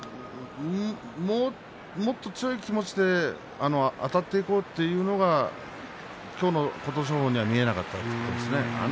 もっと強い気持ちであたっていこうというのが今日の琴勝峰には見えなかったということですね。